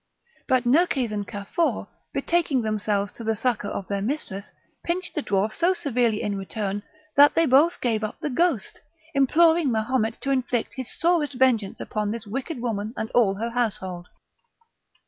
But Nerkes and Cafour, betaking themselves to the succour of their mistress, pinched the dwarfs so severely in return, that they both gave up the ghost, imploring Mahomet to inflict his sorest vengeance upon this wicked woman and all her household.